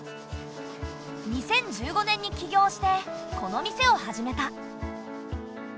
２０１５年に起業してこの店を始めた。